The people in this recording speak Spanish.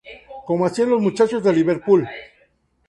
Como hacían los muchachos de Liverpool.